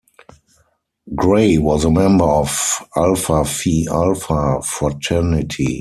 Gray was a member of Alpha Phi Alpha fraternity.